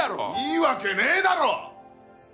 いいわけねえだろ！